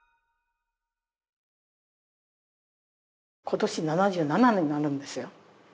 今年７７になるんですよ。